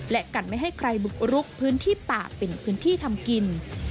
และกันไม่ให้ใครบุกรุกพื้นที่ป่าเป็นพื้นที่ทำกิน